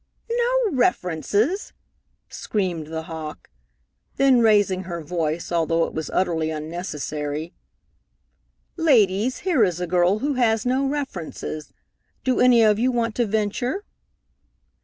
"No references!" screamed the hawk, then raising her voice, although it was utterly unnecessary: "Ladies, here is a girl who has no references. Do any of you want to venture?"